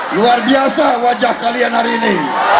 luar biasa wajah kalian hari ini